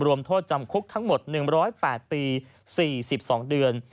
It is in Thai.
โทษจำคุกทั้งหมด๑๐๘ปี๔๒เดือน